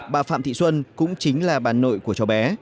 bà phạm thị xuân cũng chính là bà nội của cháu bé